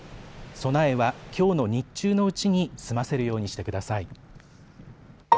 備えはきょうの日中のうちに済ませるようにしてください。